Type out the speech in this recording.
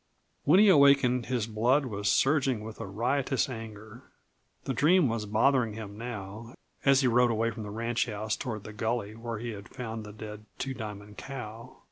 When he awakened his blood was surging with a riotous anger. The dream was bothering him now, as he rode away from the ranchhouse toward the gully where he had found the dead Two Diamond cow.